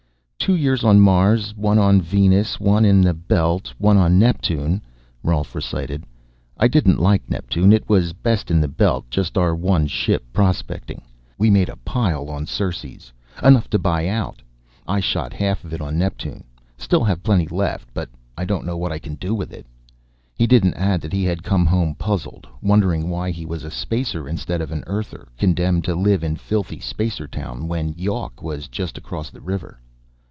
"Two years on Mars, one on Venus, one in the Belt, one on Neptune," Rolf recited. "I didn't like Neptune. It was best in the Belt; just our one ship, prospecting. We made a pile on Ceres enough to buy out. I shot half of it on Neptune. Still have plenty left, but I don't know what I can do with it." He didn't add that he had come home puzzled, wondering why he was a Spacer instead of an Earther, condemned to live in filthy Spacertown when Yawk was just across the river.